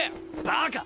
バカ！